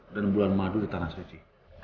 dan bulan madu di tanah suci